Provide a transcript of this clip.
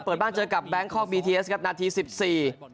เปิดบ้านเจอกับแบงคอกบีทีเอสครับนาทีสิบสี่